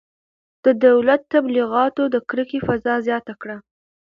د دولت تبلیغاتو د کرکې فضا زیاته کړه.